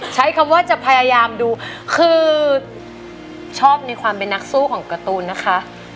ใช้คำว่าจะพยายามดูคือชอบในความเป็นนักสู้ของการ์ตูนนะคะ